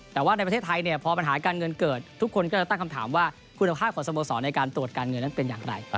แต่ว่าในประเทศไทยเนี่ยพอปัญหาการเงินเกิดทุกคนก็จะตั้งคำถามว่าคุณภาพของสโมสรในการตรวจการเงินนั้นเป็นอย่างไร